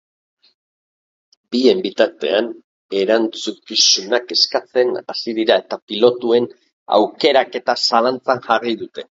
Bien bitartean, erantzukizunak eskatzen hasi dira eta pilotuen aukeraketa zalantzan jarri dute.